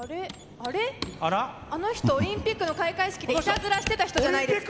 あの人オリンピックの開会式でいたずらしてた人じゃないですか？